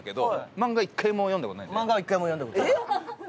漫画は１回も読んだ事ない。